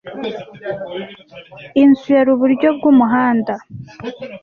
Inzu yari iburyo bwumuhanda.